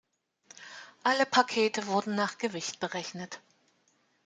Alle Pakete wurden nach Gewicht berechnet.